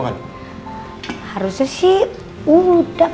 aku tunggu bentar